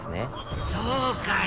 そうかい。